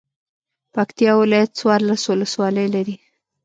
پکتيا ولايت څوارلس ولسوالۍ لري.